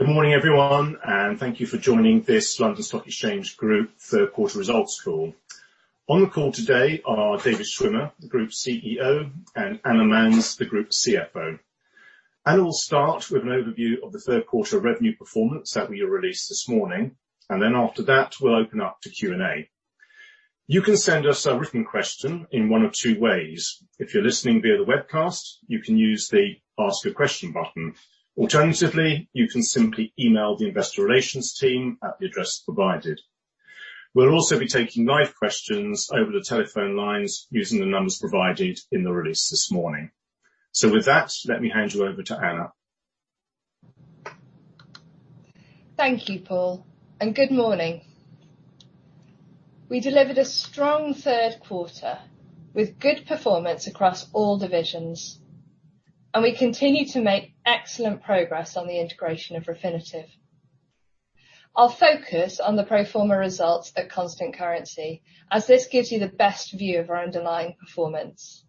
Good morning, everyone, and thank you for joining this London Stock Exchange Group third quarter results call. On the call today are David Schwimmer, the Group CEO, and Anna Manz, the Group CFO. Anna will start with an overview of the third quarter revenue performance that we released this morning. Then after that, we'll open up to Q and A. You can send us a written question in one of two ways. If you're listening via the webcast, you can use the ask a question button. Alternatively, you can simply email the investor relations team at the address provided. We'll also be taking live questions over the telephone lines using the numbers provided in the release this morning. With that, let me hand you over to Anna. Thank you, Paul, and good morning. We delivered a strong third quarter with good performance across all divisions, and we continue to make excellent progress on the integration of Refinitiv. I'll focus on the pro forma results at constant currency as this gives you the best view of our underlying performance.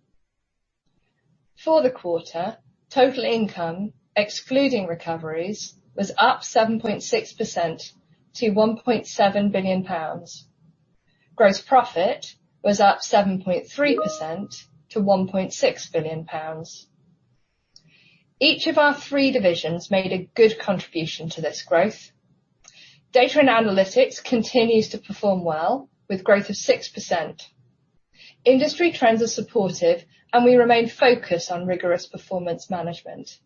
For the quarter, total income, excluding recoveries, was up 7.6% to 1.7 billion pounds. Gross profit was up 7.3% to 1.6 billion pounds. Each of our three divisions made a good contribution to this growth. Data and analytics continues to perform well with growth of 6%. Industry trends are supportive and we remain focused on rigorous performance management.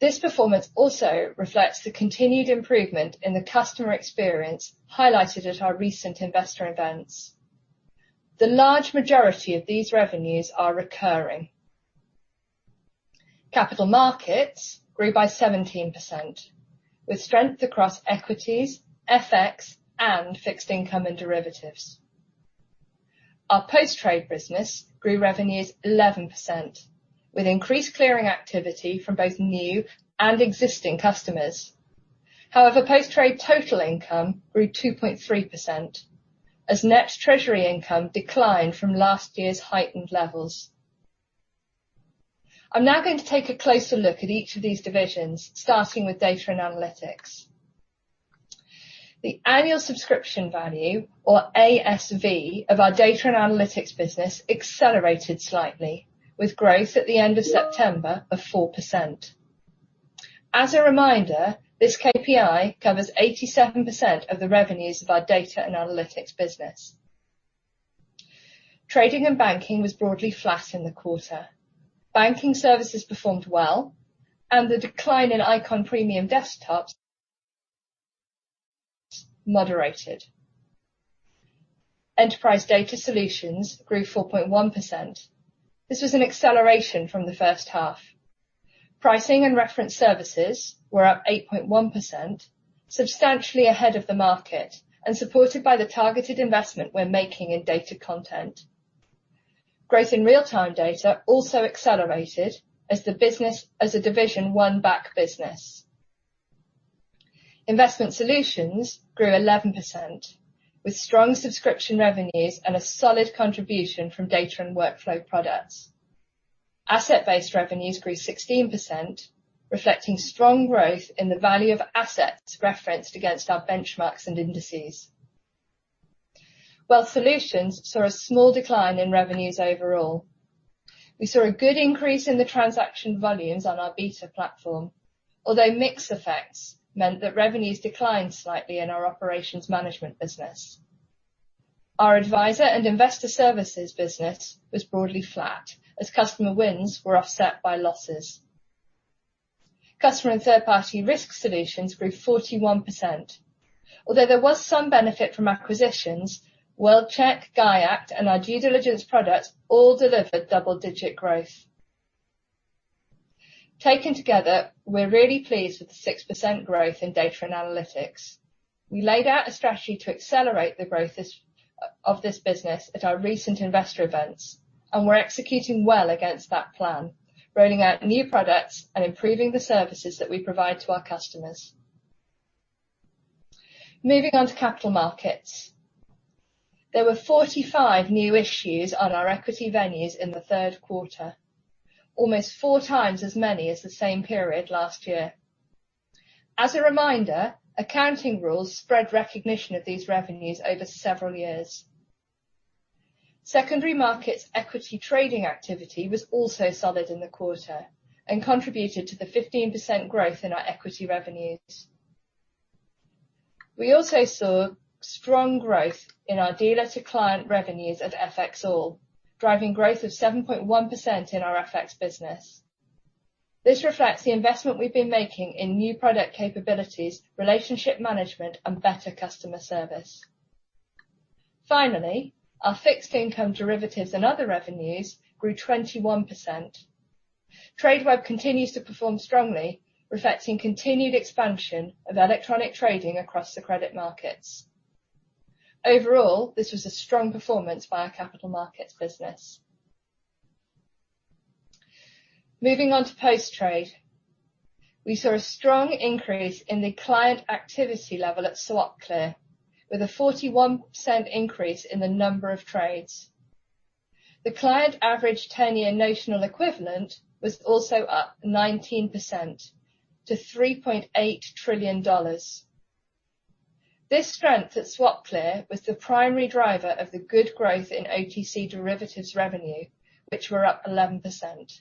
This performance also reflects the continued improvement in the customer experience highlighted at our recent investor events. The large majority of these revenues are recurring. Capital markets grew by 17%, with strength across equities, FX, and fixed income and derivatives. Our post-trade business grew revenues 11%, with increased clearing activity from both new and existing customers. Post-trade total income grew 2.3% as net treasury income declined from last year's heightened levels. I'm now going to take a closer look at each of these divisions, starting with data and analytics. The annual subscription value, or ASV, of our data and analytics business accelerated slightly with growth at the end of September of 4%. As a reminder, this KPI covers 87% of the revenues of our data and analytics business. Trading and banking was broadly flat in the quarter. Banking services performed well and the decline in Eikon Premium Desktops moderated. Enterprise data solutions grew 4.1%. This was an acceleration from the first half. Pricing and reference services were up 8.1%, substantially ahead of the market and supported by the targeted investment we're making in data content. Growth in real-time data also accelerated as the division won back business. Investment solutions grew 11%, with strong subscription revenues and a solid contribution from data and workflow products. Asset-based revenues grew 16%, reflecting strong growth in the value of assets referenced against our benchmarks and indices. Wealth solutions saw a small decline in revenues overall. We saw a good increase in the transaction volumes on our BETA+ platform, although mix effects meant that revenues declined slightly in our operations management business. Our advisor and investor services business was broadly flat as customer wins were offset by losses. Customer and third-party risk solutions grew 41%. Although there was some benefit from acquisitions, World-Check, GIACT, and our due diligence products all delivered double-digit growth. Taken together, we're really pleased with the 6% growth in data and analytics. We laid out a strategy to accelerate the growth of this business at our recent investor events, and we're executing well against that plan, rolling out new products and improving the services that we provide to our customers. Moving on to capital markets. There were 45 new issues on our equity venues in the third quarter, almost 4 times as many as the same period last year. As a reminder, accounting rules spread recognition of these revenues over several years. Secondary markets equity trading activity was also solid in the quarter and contributed to the 15% growth in our equity revenues. We also saw strong growth in our dealer-to-client revenues at FXall, driving growth of 7.1% in our FX business. This reflects the investment we've been making in new product capabilities, relationship management, and better customer service. Finally, our fixed income derivatives and other revenues grew 21%. Tradeweb continues to perform strongly, reflecting continued expansion of electronic trading across the credit markets. Overall, this was a strong performance by our capital markets business. Moving on to post-trade. We saw a strong increase in the client activity level at SwapClear, with a 41% increase in the number of trades. The client average 10-year notional equivalent was also up 19%, to $3.8 trillion. This strength at SwapClear was the primary driver of the good growth in OTC derivatives revenue, which were up 11%.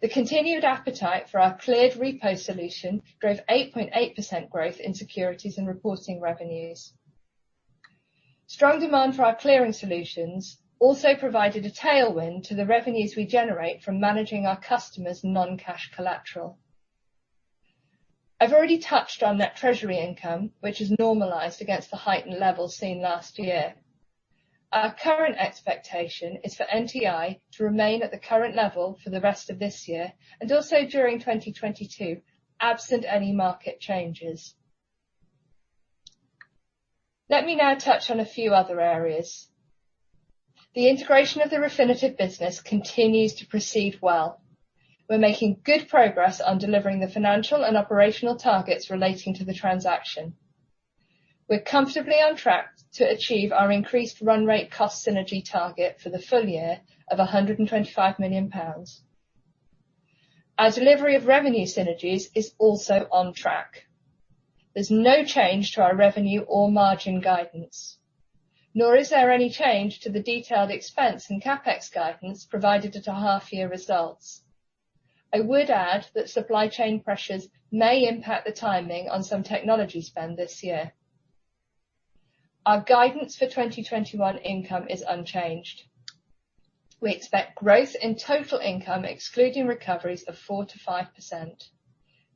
The continued appetite for our cleared repo solution drove 8.8% growth in securities and reporting revenues. Strong demand for our clearing solutions also provided a tailwind to the revenues we generate from managing our customers' non-cash collateral. I've already touched on net treasury income, which is normalized against the heightened levels seen last year. Our current expectation is for NTI to remain at the current level for the rest of this year, and also during 2022, absent any market changes. Let me now touch on a few other areas. The integration of the Refinitiv business continues to proceed well. We're making good progress on delivering the financial and operational targets relating to the transaction. We're comfortably on track to achieve our increased run rate cost synergy target for the full year of 125 million pounds. Our delivery of revenue synergies is also on track. There's no change to our revenue or margin guidance, nor is there any change to the detailed expense and CapEx guidance provided at our half year results. I would add that supply chain pressures may impact the timing on some technology spend this year. Our guidance for 2021 income is unchanged. We expect growth in total income, excluding recoveries of 4%-5%.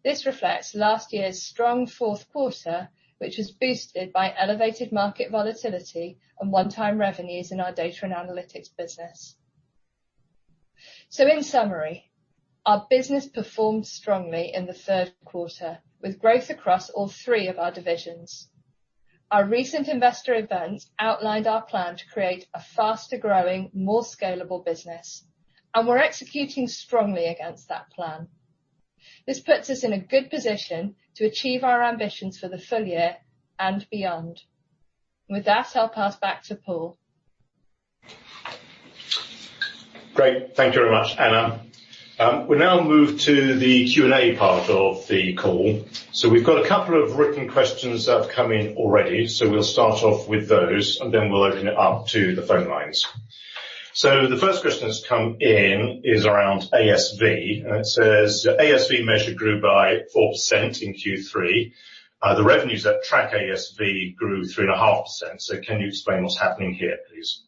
This reflects last year's strong fourth quarter, which was boosted by elevated market volatility and one-time revenues in our data and analytics business. In summary, our business performed strongly in the third quarter, with growth across all 3 of our divisions. Our recent investor event outlined our plan to create a faster-growing, more scalable business, and we're executing strongly against that plan. This puts us in a good position to achieve our ambitions for the full year and beyond. With that, I'll pass back to Paul. Great. Thank you very much, Anna. We now move to the Q and A part of the call. We've got a couple of written questions that have come in already. We'll start off with those, and then we'll open it up to the phone lines. The first question that's come in is around ASV. It says, "ASV measure grew by 4% in Q3. The revenues that track ASV grew 3.5%. Can you explain what's happening here, please?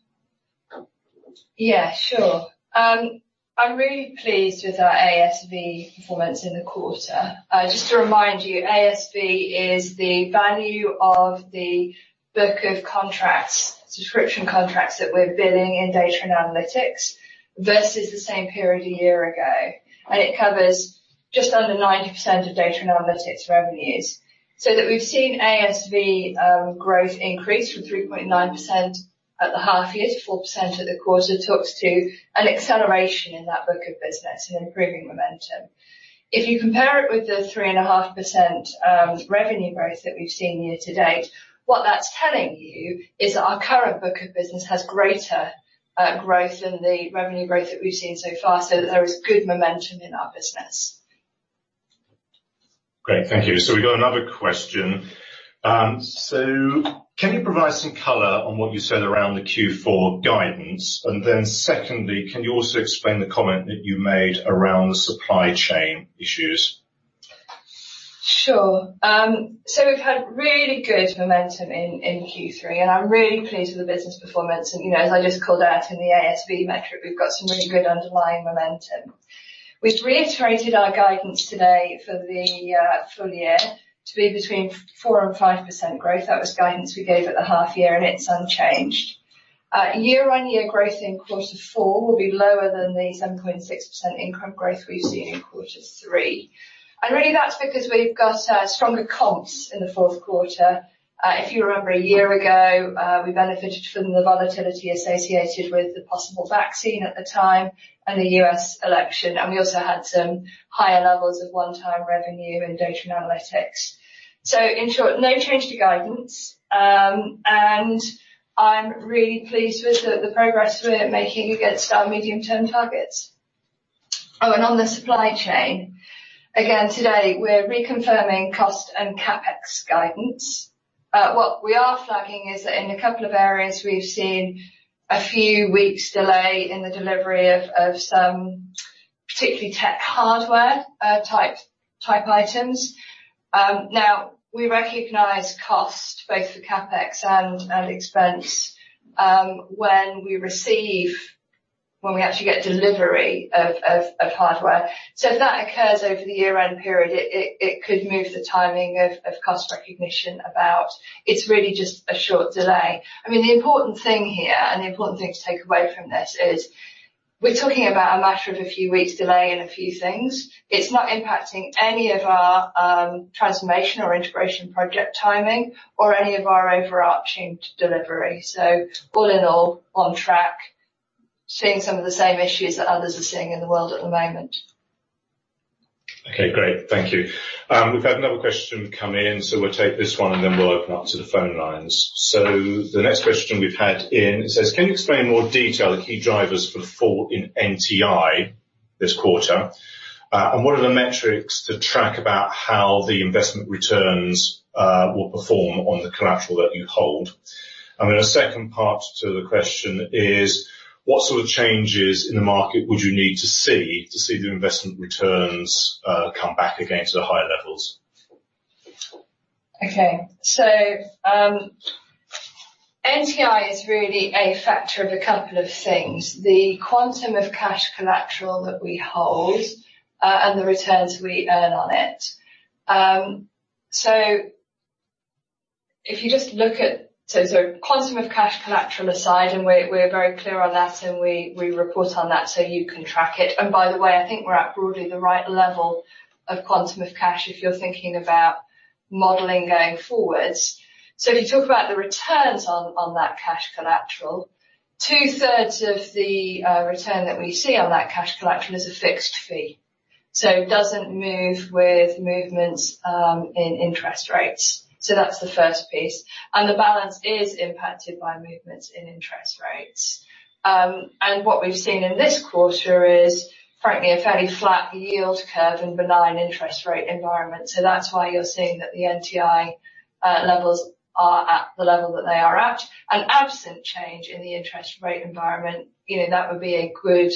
I'm really pleased with our ASV performance in the quarter. Just to remind you, ASV is the value of the book of contracts, subscription contracts that we're billing in data and analytics, versus the same period a year ago. It covers just under 90% of data and analytics revenues. That we've seen ASV growth increase from 3.9% at the half-year, to 4% at the quarter, talks to an acceleration in that book of business and improving momentum. If you compare it with the 3.5% revenue growth that we've seen year-to-date, what that's telling you is that our current book of business has greater growth than the revenue growth that we've seen so far. There is good momentum in our business. Great. Thank you. We've got another question. Can you provide some color on what you said around the Q4 guidance, and then secondly, can you also explain the comment that you made around the supply chain issues? Sure. We've had really good momentum in Q3, and I'm really pleased with the business performance. As I just called out in the ASV metric, we've got some really good underlying momentum. We've reiterated our guidance today for the full year to be between 4%-5% growth. That was the guidance we gave at the half year, and it's unchanged. Year-on-year growth in Q4 will be lower than the 7.6% income growth we've seen in Q3. Really, that's because we've got stronger comps in the 4th quarter. If you remember a year ago, we benefited from the volatility associated with the possible vaccine at the time and the U.S. election, and we also had some higher levels of one-time revenue in data and analytics. In short, no change to guidance. I'm really pleased with the progress we're making against our medium-term targets. On the supply chain, again, today, we're reconfirming cost and CapEx guidance. What we are flagging is that in a couple of areas, we've seen a few weeks delay in the delivery of some particularly tech hardware type items. Now, we recognize cost both for CapEx and expense, when we actually get delivery of hardware. If that occurs over the year-end period, it could move the timing of cost recognition about. It's really just a short delay. The important thing here, and the important thing to take away from this is we're talking about a matter of a few weeks delay in a few things. It's not impacting any of our transformation or integration project timing or any of our overarching delivery. All in all, on track. Seeing some of the same issues that others are seeing in the world at the moment. Okay, great. Thank you. We've had another question come in, so we'll take this one, and then we'll open up to the phone lines. The next question we've had in, it says: Can you explain in more detail the key drivers for the fall in NTI this quarter? What are the metrics to track about how the investment returns will perform on the collateral that you hold? A second part to the question is: What sort of changes in the market would you need to see, to see the investment returns come back again to the higher levels? Okay. NTI is really a factor of two things. The quantum of cash collateral that we hold, and the returns we earn on it. Quantum of cash collateral aside, we're very clear on that, we report on that, you can track it. By the way, I think we're at broadly the right level of quantum of cash if you're thinking about modeling going forwards. If you talk about the returns on that cash collateral, two-thirds of the return that we see on that cash collateral is a fixed fee. It doesn't move with movements in interest rates. That's the first piece. The balance is impacted by movements in interest rates. What we've seen in this quarter is, frankly, a fairly flat yield curve and benign interest rate environment. That's why you're seeing that the NTI levels are at the level that they are at. Absent change in the interest rate environment, that would be a good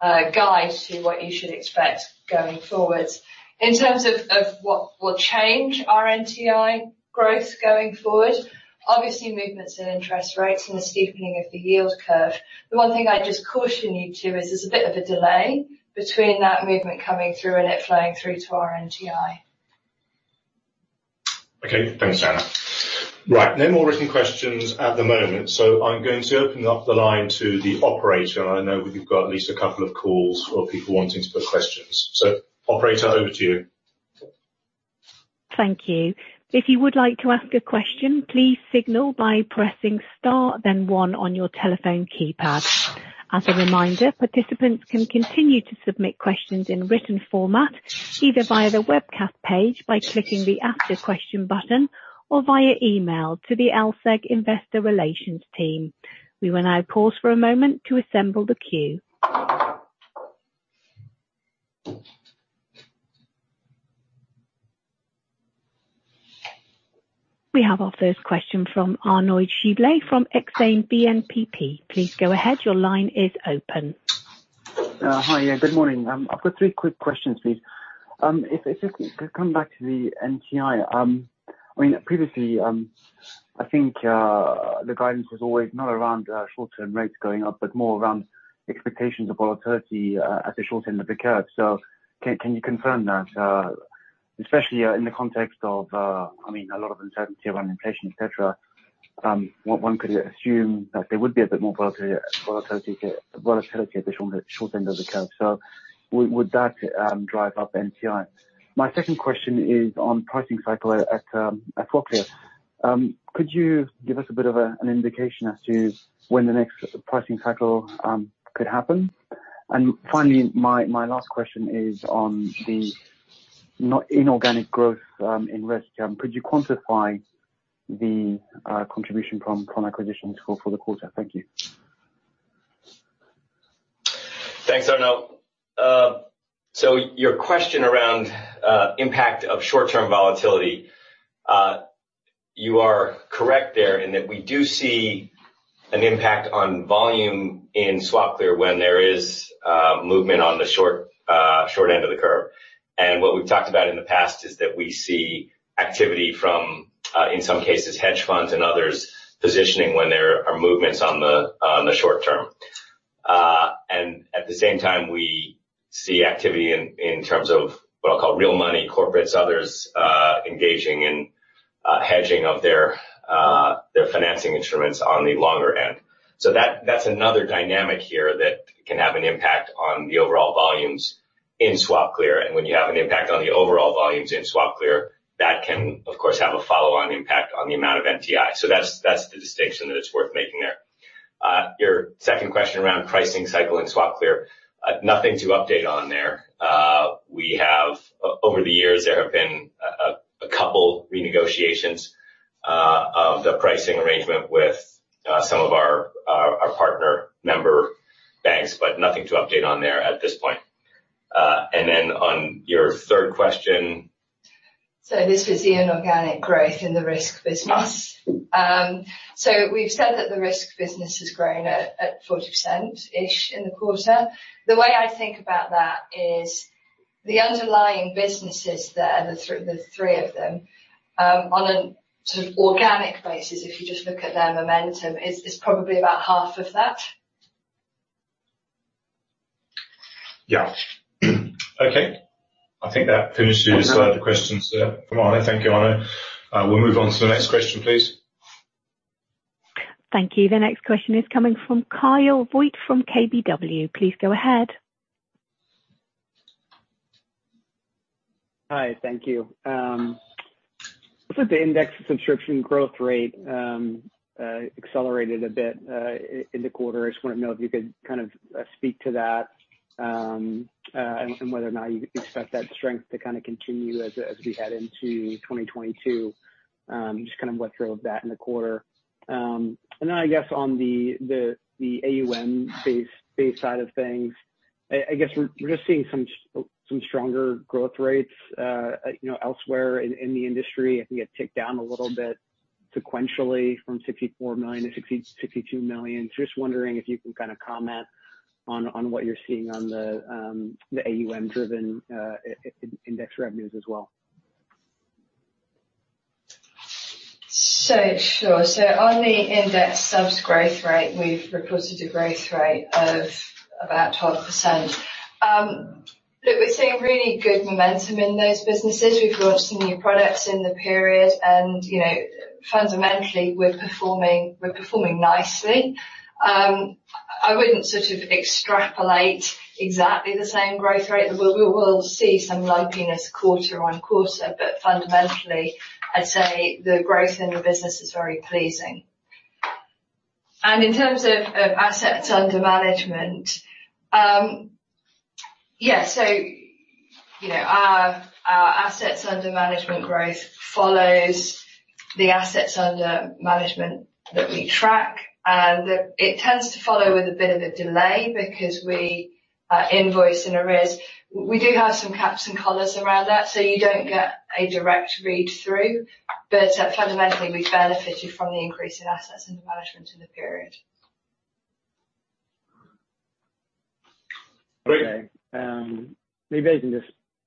guide to what you should expect going forward. In terms of what will change our NTI growth going forward, obviously, movements in interest rates and the steepening of the yield curve. The one thing I'd just caution you to is there's a bit of a delay between that movement coming through and it flowing through to our NTI. Okay. Thanks, Anna. Right. No more written questions at the moment. I'm going to open up the line to the operator. I know we've got at least a couple of calls for people wanting to put questions. Operator, over to you. Thank you. If you would like to ask a question, please signal by pressing star, then one on your telephone keypad. As a reminder, participants can continue to submit questions in written format, either via the webcast page by clicking the ask a question button, or via email to the LSEG investor relations team. We will now pause for a moment to assemble the queue. We have our first question from Arnaud Giblat from Exane BNP Paribas. Please go ahead. Your line is open. Hi. Good morning. I've got three quick questions, please. If I could come back to the NTI. Previously, I think the guidance was always not around short-term rates going up, but more around expectations of volatility at the short end of the curve. Can you confirm that? Especially in the context of a lot of uncertainty around inflation, et cetera. One could assume that there would be a bit more volatility at the short end of the curve. Would that drive up NTI? My second question is on pricing cycle at SwapClear. Could you give us a bit of an indication as to when the next pricing cycle could happen? Finally, my last question is on the inorganic growth in risk. Could you quantify the contribution from acquisitions for the quarter? Thank you. Thanks, Arnaud. Your question around impact of short-term volatility. You are correct there, in that we do see an impact on volume in SwapClear when there is movement on the short end of the curve. What we've talked about in the past is that we see activity from, in some cases, hedge funds and others positioning when there are movements on the short-term. At the same time, we see activity in terms of what I'll call real money corporates, others engaging in hedging of their financing instruments on the longer end. That's another dynamic here that can have an impact on the overall volumes in SwapClear. When you have an impact on the overall volumes in SwapClear, that can, of course, have a follow-on impact on the amount of NTI. That's the distinction that it's worth making there. Your second question around pricing cycle and SwapClear. Nothing to update on there. Over the years, there have been a couple renegotiations of the pricing arrangement with some of our partner member banks, but nothing to update on there at this point. Then on your third question. This was the inorganic growth in the risk business. We've said that the risk business has grown at 40%-ish in the quarter. The way I think about that is the underlying businesses there, the three of them, on an organic basis, if you just look at their momentum, is probably about half of that. Yeah. Okay. I think that finishes the questions there from Arnaud. Thank you, Arnaud. We'll move on to the next question, please. Thank you. The next question is coming from Kyle Voigt from KBW. Please go ahead. Hi. Thank you. Looks like the index subscription growth rate accelerated a bit in the quarter. I just wanted to know if you could kind of speak to that, and whether or not you expect that strength to kind of continue as we head into 2022. Just kind of what drove that in the quarter. I guess on the AUM base side of things, I guess we're just seeing some stronger growth rates elsewhere in the industry. I think it ticked down a little bit sequentially from 64 million to 62 million. Just wondering if you can kind of comment on what you're seeing on the AUM-driven index revenues as well. Sure. On the index subs growth rate, we've reported a growth rate of about 12%. We're seeing really good momentum in those businesses. We've launched some new products in the period and fundamentally we're performing nicely. I wouldn't sort of extrapolate exactly the same growth rate. We will see some lumpiness quarter on quarter, but fundamentally, I'd say the growth in the business is very pleasing. In terms of assets under management, yeah, our assets under management growth follows the assets under management that we track, and it tends to follow with a bit of a delay because we invoice in arrears. We do have some caps and collars around that, so you don't get a direct read-through. Fundamentally, we benefited from the increase in assets under management in the period. Okay. Maybe I can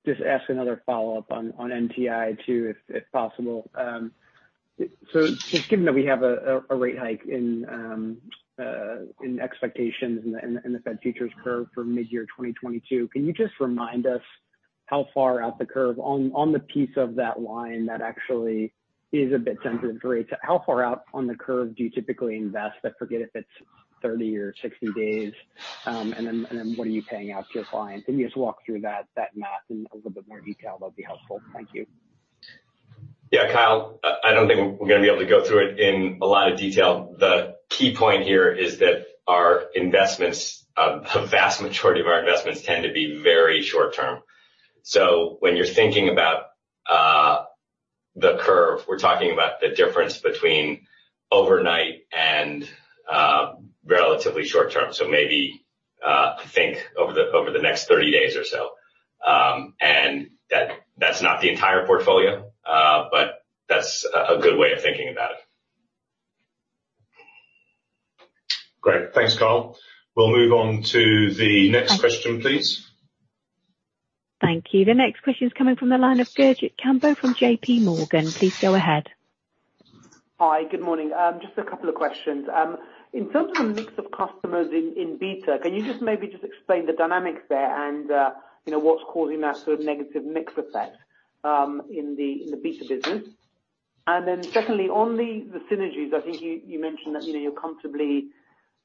just ask another follow-up on NTI too, if possible. Just given that we have a rate hike in expectations in the Fed futures curve for mid-year 2022, can you just remind us how far out the curve on the piece of that line that actually is a bit sensitive to rates, how far out on the curve do you typically invest? I forget if it's 30 or 60 days. What are you paying out to your clients? Can you just walk through that math in a little bit more detail, that'd be helpful. Thank you. Yeah. Kyle, I don't think we're going to be able to go through it in a lot of detail. The key point here is that our investments, the vast majority of our investments tend to be very short term. When you're thinking about the curve, we're talking about the difference between overnight and relatively short term. Maybe, think over the next 30 days or so. That's not the entire portfolio, but that's a good way of thinking about it. Great. Thanks, Kyle. We'll move on to the next question, please. Thank you. The next question is coming from the line of Gurjit Kambo from JPMorgan. Please go ahead. Hi. Good morning. Just a couple of questions. In terms of the mix of customers in BETA+, can you just maybe explain the dynamics there and what's causing that sort of negative mix effect in the BETA+ business? Secondly, on the synergies, I think you mentioned that you're comfortably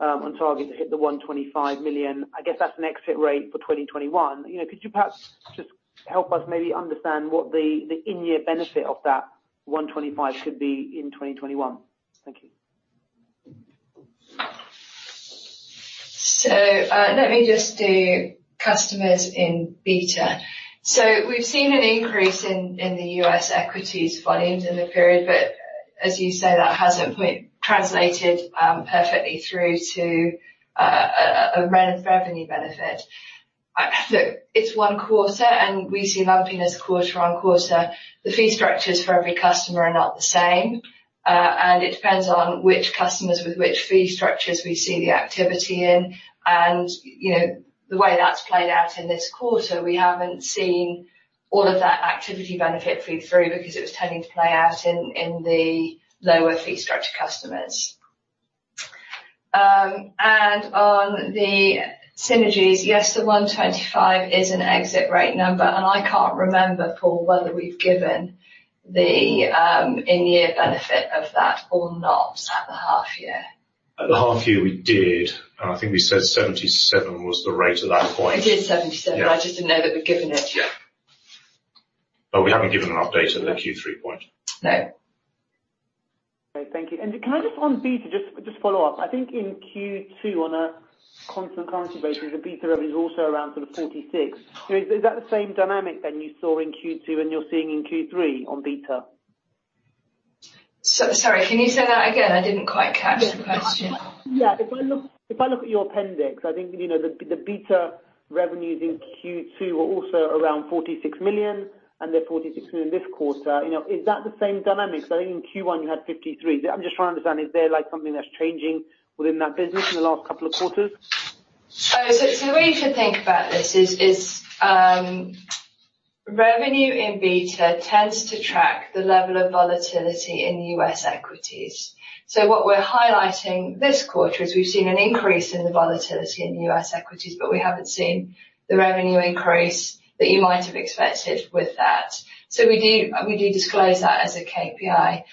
on target to hit the 125 million. I guess that's an exit rate for 2021. Could you perhaps just help us maybe understand what the in-year benefit of that 125 could be in 2021? Thank you. Let me just do customers in BETA+. We've seen an increase in the U.S. equities volumes in the period, but as you say, that hasn't quite translated perfectly through to a revenue benefit. Look, it's one quarter, and we see lumpiness quarter-on-quarter. The fee structures for every customer are not the same. It depends on which customers with which fee structures we see the activity in. The way that's played out in this quarter, we haven't seen all of that activity benefit feed through because it was tending to play out in the lower fee structure customers. On the synergies, yes, the 125 is an exit rate number, and I can't remember, Paul, whether we've given the in-year benefit of that or not at the half year. At the half year we did, and I think we said 77 was the rate at that point. It is 77. Yeah. I just didn't know that we'd given it. Yeah. We haven't given an update at the Q3 point. No. Okay. Thank you. Can I just on BETA+, just follow up? I think in Q2, on a constant currency basis, the BETA+ revenue is also around sort of 46. Is that the same dynamic then you saw in Q2 and you're seeing in Q3 on BETA+? Sorry, can you say that again? I didn't quite catch the question. Yeah. If I look at your appendix, I think the BETA+ revenues in Q2 were also around 46 million and they're 46 million this quarter. Is that the same dynamic? I think in Q1 you had 53 million. I'm just trying to understand, is there something that's changing within that business in the last couple of quarters? The way you should think about this is, revenue in BETA+ tends to track the level of volatility in U.S. equities. What we're highlighting this quarter is we've seen an increase in the volatility in U.S. equities, but we haven't seen the revenue increase that you might have expected with that. We do disclose that as a KPI.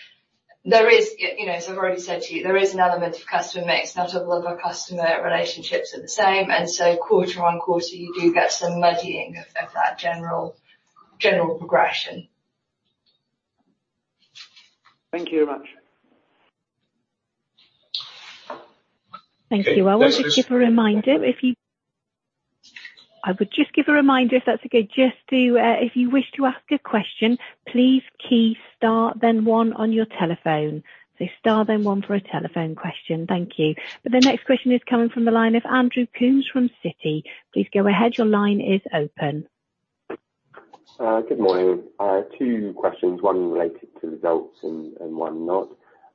There is. As I've already said to you, there is an element of customer mix. Not all of our customer relationships are the same, and so quarter on quarter, you do get some muddying of that general progression. Thank you very much. Thank you. I would just give a reminder if that's okay. Just if you wish to ask a question, please key star then one on your telephone. Star, then one for a telephone question. Thank you. The next question is coming from the line of Andrew Coombs from Citi. Please go ahead. Your line is open. Good morning. Two questions, one related to results and one not.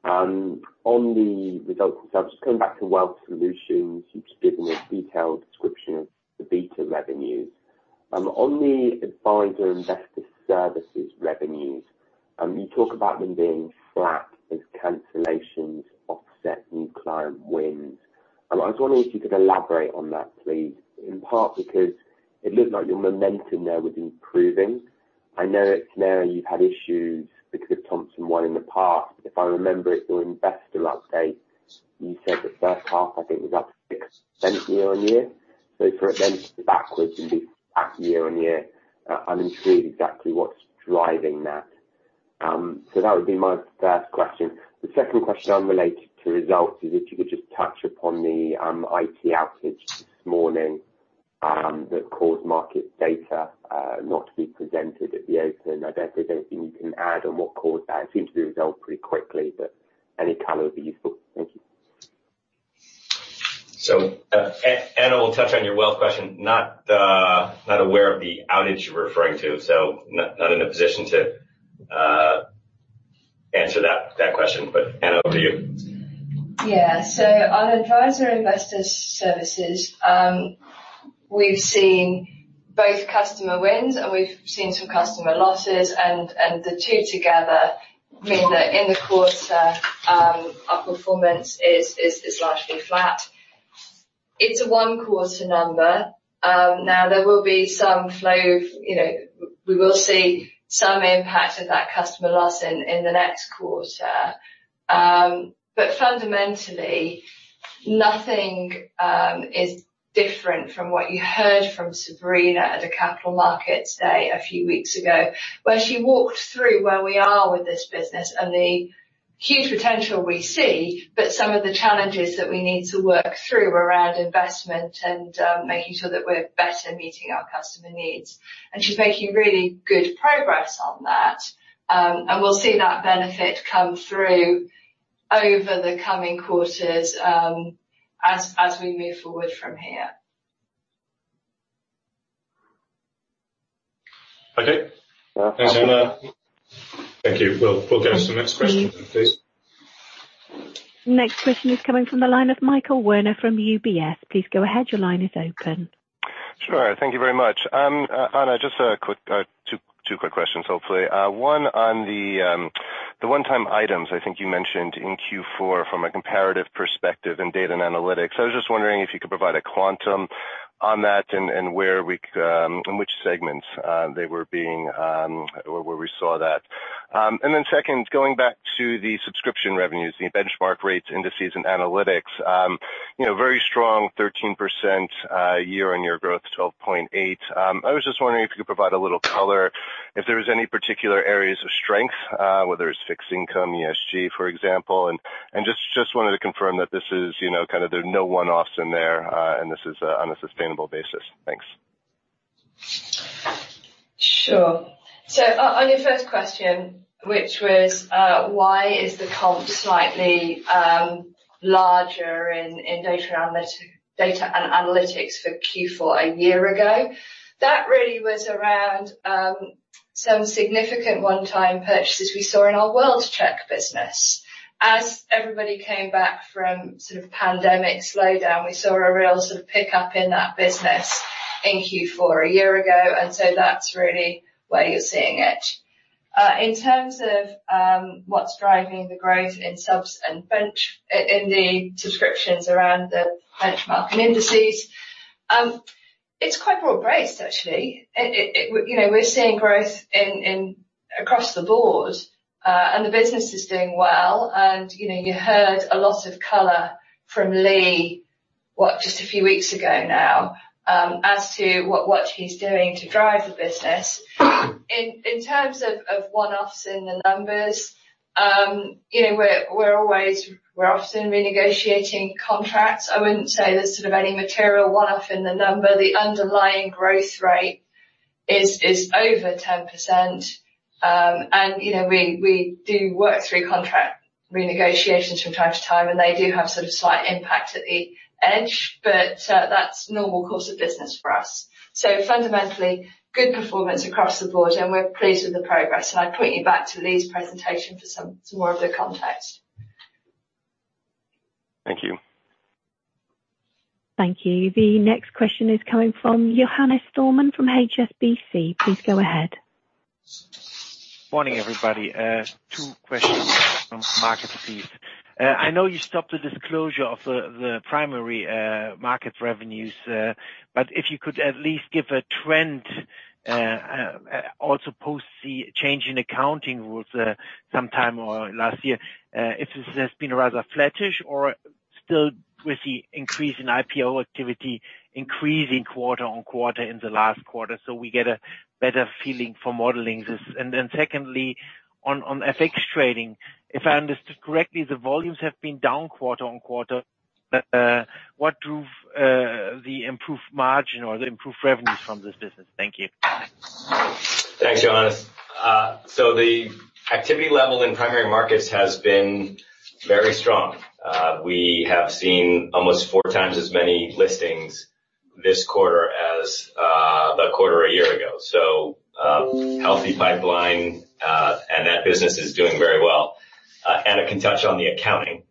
On the results themselves, just coming back to wealth solutions. You've given a detailed description of the BETA+ revenues. On the advisor investor services revenues, you talk about them being flat as cancellations offset new client wins. I was wondering if you could elaborate on that, please. In part because it looked like your momentum there was improving. I know it's narrow, you've had issues because of Thomson ONE in the past. If I remember it, your investor update, you said the first half, I think was up 6% year-on-year. For it then to be backwards and be back year-on-year, I'm intrigued exactly what's driving that. That would be my first question. The second question unrelated to results is if you could just touch upon the IT outage this morning that caused market data not to be presented at the open. I don't know if there's anything you can add on what caused that. It seems to be resolved pretty quickly. Any color would be useful. Thank you. Anna will touch on your wealth question. Not aware of the outage you're referring to, so not in a position to answer that question, but Anna, over to you. On advisor investor services, we've seen both customer wins and we've seen some customer losses and the two together mean that in the quarter, our performance is largely flat. It's a one-quarter number. Now there will be some flow. We will see some impact of that customer loss in the next quarter. Fundamentally, nothing is different from what you heard from Sabrina at the Capital Markets Day a few weeks ago, where she walked through where we are with this business and the huge potential we see, but some of the challenges that we need to work through around investment and making sure that we're better meeting our customer needs. She's making really good progress on that. We'll see that benefit come through over the coming quarters as we move forward from here. Okay. Thanks, Anna. Thank you. We'll go to the next question then, please. Next question is coming from the line of Michael Werner from UBS. Please go ahead. Your line is open. Sure. Thank you very much. Anna, just two quick questions, hopefully. One on the one-time items I think you mentioned in Q4 from a comparative perspective in data and analytics. I was just wondering if you could provide a quantum on that and in which segments they were being, where we saw that. Second, going back to the subscription revenues, the benchmark rates, indices and analytics. Very strong 13% year-over-year growth 12.8%. I was just wondering if you could provide a little color if there was any particular areas of strength, whether it's fixed income, ESG, for example, and just wanted to confirm that there's no one-offs in there and this is on a sustainable basis. Thanks. Sure. On your first question, which was why is the comp slightly larger in data and analytics for Q4 a year ago? That really was around some significant one-time purchases we saw in our World-Check business. As everybody came back from sort of pandemic slowdown, we saw a real sort of pick up in that business in Q4 a year ago, and so that's really where you're seeing it. In terms of what's driving the growth in the subscriptions around the benchmarking indices, it's quite broad-based actually. We're seeing growth across the board. The business is doing well. You heard a lot of color from Lee, what, just a few weeks ago now, as to what he's doing to drive the business. In terms of one-offs in the numbers, we're often renegotiating contracts. I wouldn't say there's sort of any material one-off in the number. The underlying growth rate is over 10%. We do work through contract renegotiations from time to time, and they do have sort of slight impact at the edge. That's normal course of business for us. Fundamentally, good performance across the board and we're pleased with the progress. I point you back to Lee's presentation for some more of the context. Thank you. Thank you. The next question is coming from Johannes Thormann from HSBC. Please go ahead. Morning, everybody. Two [questions from my team]. I know you stopped the disclosure of the primary markets revenues, but if you could at least give a trend, also post the change in accounting rules sometime last year, if this has been rather flattish or still with the increase in IPO activity increasing quarter-on-quarter in the last quarter, so we get a better feeling for modeling this. Then secondly, on FX trading, if I understood correctly, the volumes have been down quarter-on-quarter. What drove the improved margin or the improved revenues from this business? Thank you. Thanks, Johannes. The activity level in primary markets has been very strong. We have seen almost 4 times as many listings this quarter as the quarter a year ago. Healthy pipeline, and that business is doing very well. Anna can touch on the accounting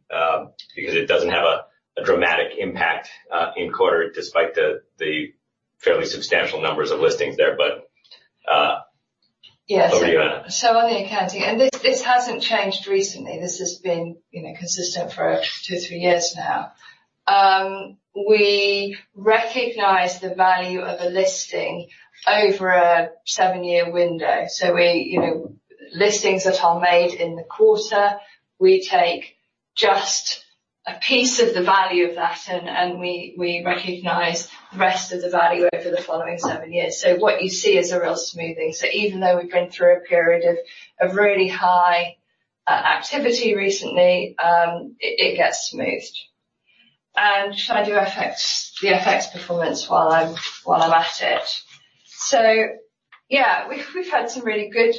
because it doesn't have a dramatic impact in quarter despite the fairly substantial numbers of listings there. Over to you, Anna. Yes. On the accounting, and this hasn't changed recently, this has been consistent for two, threeyears now. We recognize the value of a listing over a seven year window. Listings that are made in the quarter, we take just a piece of the value of that, and we recognize the rest of the value over the following seven years. What you see is a real smoothing. Even though we've been through a period of really high activity recently, it gets smoothed. Should I do the FX performance while I'm at it? Yeah, we've had some really good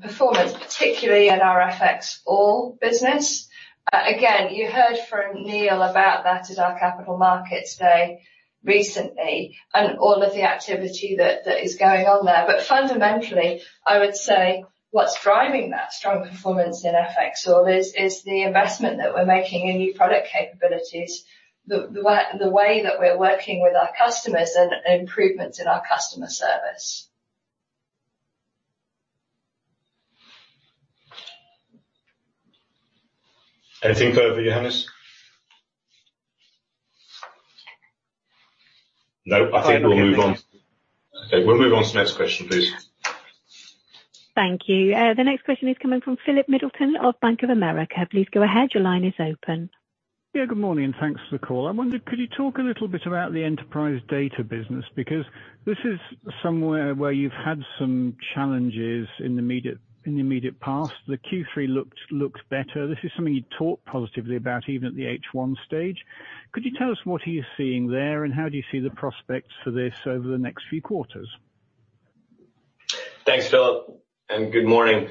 performance, particularly in our FXall business. Again, you heard from Neill about that at our capital markets day recently and all of the activity that is going on there. Fundamentally, I would say what's driving that strong performance in FXall is the investment that we're making in new product capabilities, the way that we're working with our customers, and improvements in our customer service. Anything further, Johannes? No, I think we'll move on. Okay, we'll move on to the next question, please. Thank you. The next question is coming from Philip Middleton of Bank of America. Please go ahead. Your line is open. Yeah, good morning, and thanks for the call. I wondered, could you talk a little bit about the enterprise data business? This is somewhere where you've had some challenges in the immediate past. The Q3 looked better. This is something you'd talked positively about even at the H1 stage. Could you tell us what are you seeing there, and how do you see the prospects for this over the next few quarters? Thanks, Philip, and good morning.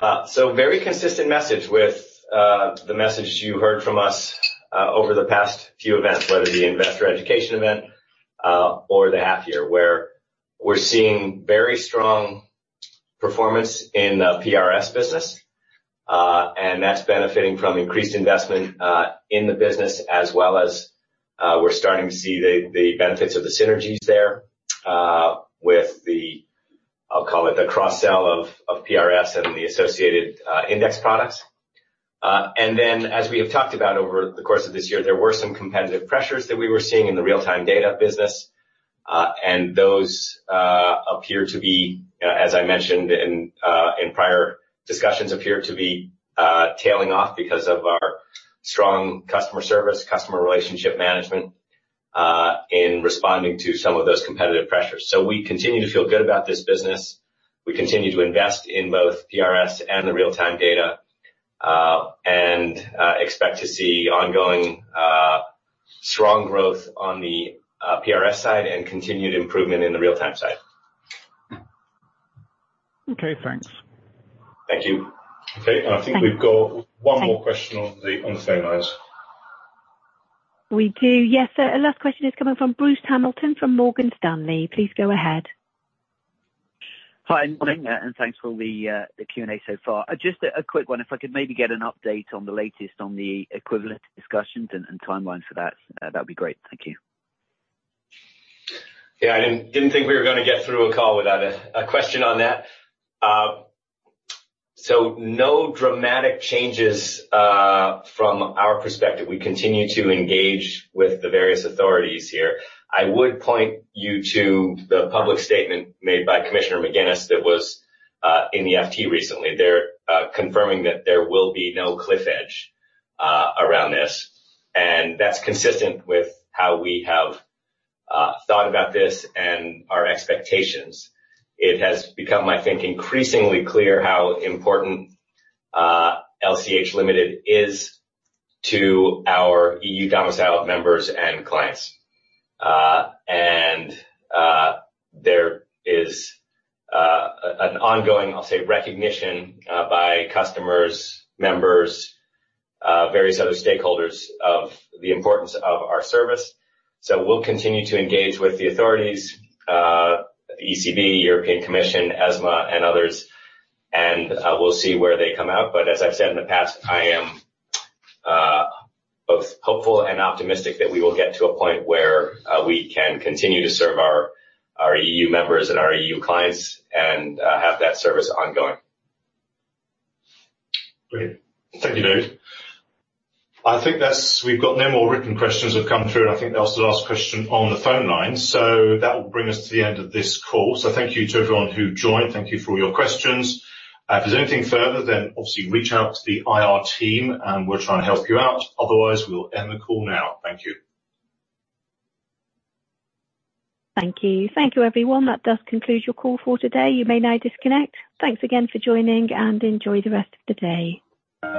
Very consistent message with the message you heard from us over the past few events, whether the investor education event or the half year, where we're seeing very strong performance in the PRS business. That's benefiting from increased investment in the business as well as we're starting to see the benefits of the synergies there with the, I'll call it the cross-sell of PRS and the associated index products. As we have talked about over the course of this year, there were some competitive pressures that we were seeing in the real-time data business. Those appear to be, as I mentioned in prior discussions, appear to be tailing off because of our strong customer service, customer relationship management, in responding to some of those competitive pressures. We continue to feel good about this business. We continue to invest in both PRS and the real-time data, and expect to see ongoing strong growth on the PRS side and continued improvement in the real-time side. Okay, thanks. Thank you. Okay. I think we've got one more question on the phone lines. We do. Yes. Last question is coming from Bruce Hamilton from Morgan Stanley. Please go ahead. Hi, thanks for the Q and A so far. Just a quick one. If I could maybe get an update on the latest on the equivalent discussions and timelines for that. That'd be great. Thank you. Yeah, I didn't think we were going to get through a call without a question on that. No dramatic changes from our perspective. We continue to engage with the various authorities here. I would point you to the public statement made by Commissioner McGuinness that was in the FT recently. They're confirming that there will be no cliff edge around this, and that's consistent with how we have thought about this and our expectations. It has become, I think, increasingly clear how important LCH Limited is to our EU domicile members and clients. There is an ongoing, I'll say, recognition by customers, members, various other stakeholders of the importance of our service. We'll continue to engage with the authorities, the ECB, European Commission, ESMA, and others, and we'll see where they come out. As I've said in the past, I am both hopeful and optimistic that we will get to a point where we can continue to serve our EU members and our EU clients and have that service ongoing. Great. Thank you, David. I think we've got no more written questions have come through. I think that was the last question on the phone line, so that will bring us to the end of this call. Thank you to everyone who joined. Thank you for all your questions. If there's anything further, then obviously reach out to the IR team, and we'll try and help you out. Otherwise, we'll end the call now. Thank you. Thank you. Thank you, everyone. That does conclude your call for today. You may now disconnect. Thanks again for joining, and enjoy the rest of the day.